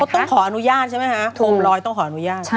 ต้องขออนุญาตใช่ไหมคะโคมลอยต้องขออนุญาต